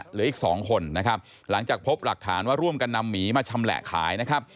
เหลืออีกสองคนนะครับหลังจากพบหลักฐานว่าร่วมกันนำหมีมาชำแหละขายนะครับ